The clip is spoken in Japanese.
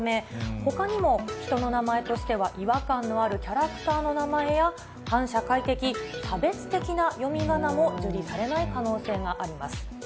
ほかにも、人の名前としては違和感のあるキャラクターの名前や、反社会的、差別的な読みがなも受理されない可能性があります。